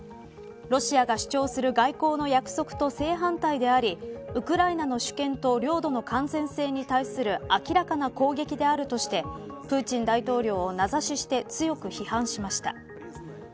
ロシアが主張する外交の約束と正反対でありウクライナの主権と領土の完全性に対する明らかな攻撃であるとしてプーチン大統領を名指しして強く批判しました。